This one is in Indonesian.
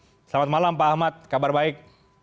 selamat malam pak ahmad kabar baik